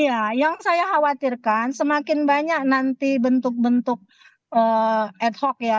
iya yang saya khawatirkan semakin banyak nanti bentuk bentuk ad hoc ya